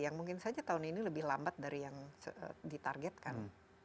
yang mungkin saja tahun ini lebih lambat dari yang ditargetkan